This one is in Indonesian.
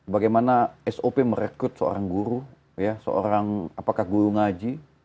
bagaimana sop merekrut seorang guru seorang apakah guru ngaji